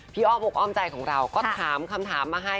อ้อมอกอ้อมใจของเราก็ถามคำถามมาให้